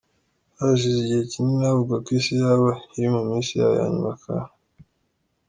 Hashize igihe kinini havugwa ko isi yaba iri mu minsi yayo yanyuma kandi.